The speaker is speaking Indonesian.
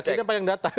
yakinnya pak yang data